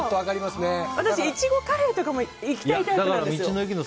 私いちごカレーとかもいきたいタイプなんですよ。